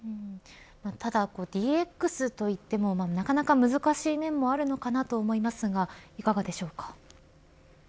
ただ、ＤＸといってもなかなか難しい面もあるのかなと思いますがいかがでしょうか。